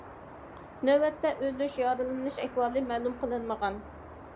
نۆۋەتتە ئۆلۈش يارىلىنىش ئەھۋالى مەلۇم قىلىنمىغان.